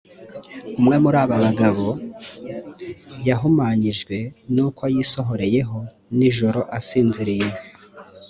umwe muraba ubagabo yahumanyijwe n’uko yisohoreyeho nijoro asinziriye